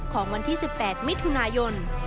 ของวันที่๑๘มิถุนายน